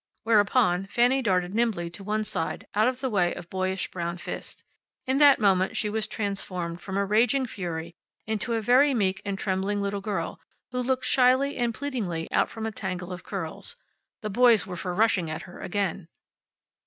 Whereupon Fanny darted nimbly to one side, out of the way of boyish brown fists. In that moment she was transformed from a raging fury into a very meek and trembling little girl, who looked shyly and pleadingly out from a tangle of curls. The boys were for rushing at her again.